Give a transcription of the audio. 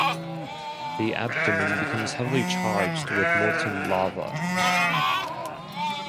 The abdomen becomes heavily charged with molten lava.